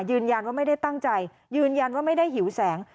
ยืนยันว่าไม่ได้ตั้งใจยืนยันว่าไม่ได้หิวแสง